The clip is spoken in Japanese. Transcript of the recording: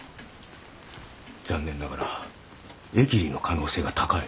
残念ながら疫痢の可能性が高い。